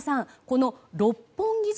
この六本木